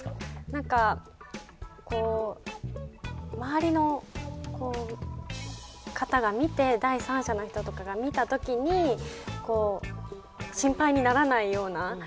何か周りの方が見て第三者の人とかが見た時に心配にならないような。